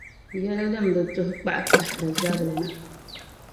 Yɛla din bi tuhi kpaɣa tahiri zabili na.